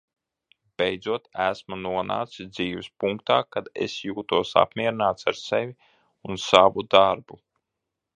Beidzot esmu nonācis dzīves punktā, kad es jūtos apmierināts ar sevi un savu darbu.